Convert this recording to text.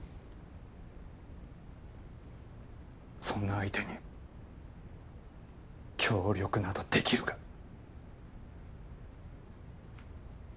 そんな相手に協力など出来るか。